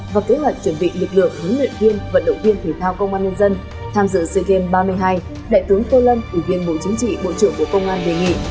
và kế hoạch chuẩn bị lực lượng huấn luyện viên vận động viên thể thao công an nhân dân tham dự sea games ba mươi hai đại tướng tô lâm ủy viên bộ chính trị bộ trưởng bộ công an đề nghị